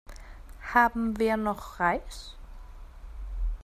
Haben wir noch Reis?